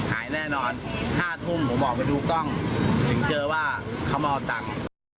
หายแน่นอน๕ทุ่มผมออกไปดูกล้องถึงเจอว่าเขามาเอาตังค์